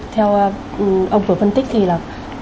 theo ông vừa phân tích thì là